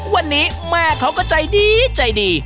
วันนี้แม่เขาก็ใจดีใจดี